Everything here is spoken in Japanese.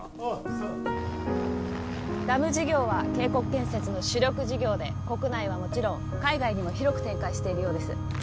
ああダム事業は京国建設の主力事業で国内はもちろん海外にも広く展開しているようです